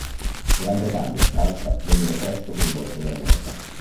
Gran Bretagna e Francia vennero presto coinvolte nella guerra.